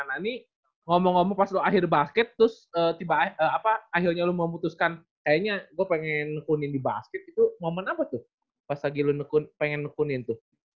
nah ini ngomong ngomong pas lo akhir basket terus tiba akhirnya lo memutuskan kayaknya gue pengen nekunin di basket itu momen apa tuh pas lagi lo nekun pengen nekunin tuh